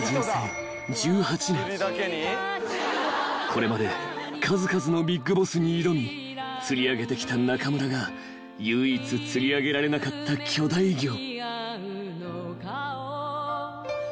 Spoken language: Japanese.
［これまで数々のビッグボスに挑み釣り上げてきた中村が唯一釣り上げられなかった巨大魚］